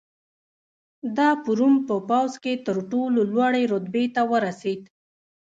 دا په روم په پوځ کې تر ټولو لوړې رتبې ته ورسېد